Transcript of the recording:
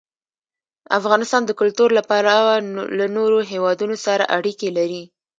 افغانستان د کلتور له پلوه له نورو هېوادونو سره اړیکې لري.